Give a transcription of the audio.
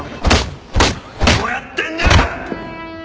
何をやってんだ！？